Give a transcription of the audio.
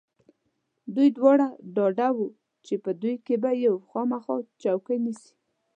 دوی دواړه ډاډه و چې په دوی کې به یو خامخا چوکۍ نیسي.